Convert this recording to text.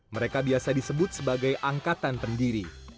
mereka biasa disebut sebagai angkatan pendiri